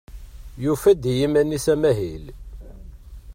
Yufa-d i yiman-is amahil.